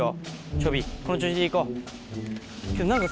ちょびこの調子でいこう。